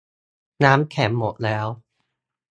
น้ำแข็งหมดแล้ว